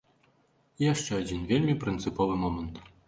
І яшчэ адзін вельмі прынцыповы момант.